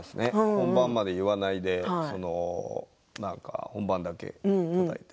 本番まで言わないで本番だけたたいて。